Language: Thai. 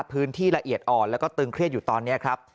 ละเอียดอ่อนแล้วก็ตึงเครียดอยู่ตอนนี้ครับ